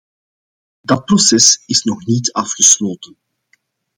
Dat proces is nog niet afgesloten.